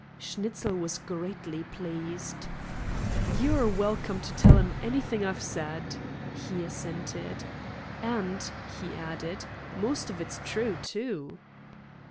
Schnitzel was greatly pleased. "You're welcome to tell 'em anything I've said," he assented. "And," he added, "most of it's true, too."